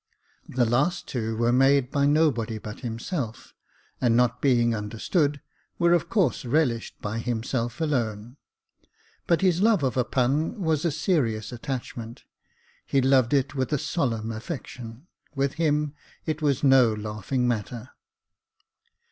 The last two were made by nobody but himself, and not being understood, were of course relished by himself alone. But his love of a pun was a serious attachment : he loved it with a solemn affection — with him it was no laughing matter.